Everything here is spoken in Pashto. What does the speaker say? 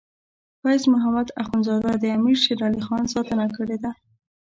فیض محمد اخونزاده د امیر شیر علی خان ستاینه کړې ده.